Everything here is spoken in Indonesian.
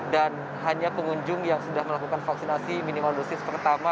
dan hanya pengunjung yang sudah melakukan vaksinasi minimal dosis pertama